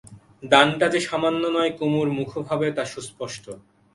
দানটা যে সামান্য নয় কুমুর মুখভাবে তা সুস্পষ্ট।